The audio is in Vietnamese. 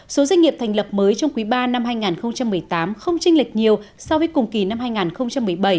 số doanh nghiệp thành lập mới trong quý ba năm hai nghìn một mươi tám không tranh lệch nhiều so với cùng kỳ năm hai nghìn một mươi bảy